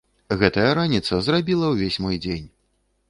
Гэтая раніца зрабіла ўвесь мой дзень.